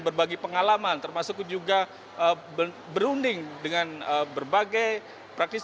berbagi pengalaman termasuk juga berunding dengan berbagai praktisi